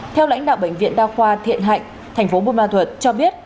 theo lãnh đạo bệnh viện đa khoa thiện hạnh thành phố buôn ma thuật cho biết